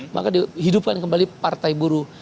maka dihidupkan kembali partai buruh